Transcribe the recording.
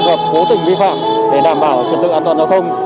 an toàn giao thông